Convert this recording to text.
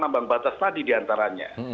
ambang batas tadi diantaranya